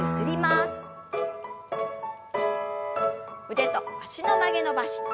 腕と脚の曲げ伸ばし。